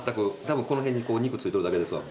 多分この辺にこう肉ついとるだけですわ。